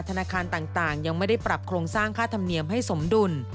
ธนาคารต่างยังไม่ได้ปรับโครงสร้างค่าธรรมเนียมให้สมดุล